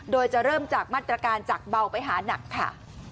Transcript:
โดยจะเริ่มจากมาตรการจากเบาไปหานักค่ะ